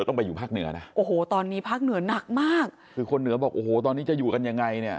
โอ้โหตอนนี้ภาคเหนือนักมากคือคนเหนือบอกโอ้โหตอนนี้จะอยู่กันยังไงเนี่ย